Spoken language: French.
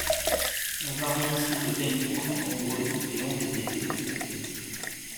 La variations de tempo sont nombreuses, créant des effets de surprise.